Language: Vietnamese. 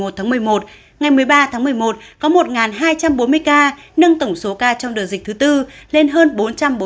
một mươi một tháng một mươi một ngày một mươi ba tháng một mươi một có một hai trăm bốn mươi ca nâng tổng số ca trong đợt dịch thứ tư lên hơn bốn trăm bốn mươi sáu bốn trăm bốn mươi ba ca